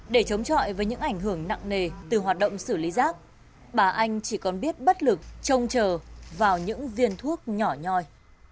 để chống chọi với những ảnh hưởng nặng nề từ hoạt động xử lý rác bà anh chỉ còn biết bất lực trông chờ vào những viên thuốc nhỏ nhoi